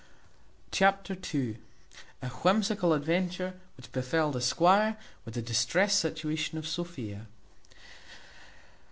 Chapter ii. A whimsical adventure which befel the squire, with the distressed situation of Sophia.